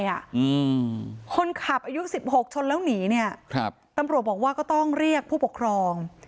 อืมคนขับอายุสิบหกชนแล้วหนีเนี้ยครับตำรวจบอกว่าก็ต้องเรียกผู้ปกครอง